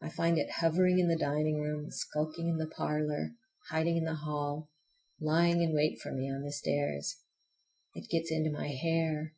I find it hovering in the dining room, skulking in the parlor, hiding in the hall, lying in wait for me on the stairs. It gets into my hair.